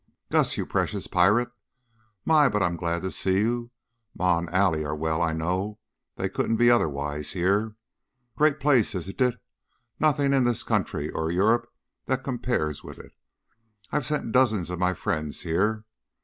"Gus! You precious pirate! My, but I'm glad to see you! Ma and Allie are well, I know; they couldn't be otherwise here. Great place, isn't it? Nothing in this country or Europe that compares with it, and I've sent dozens of my friends here.